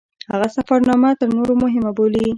هغه سفرنامه تر نورو مهمه بولي.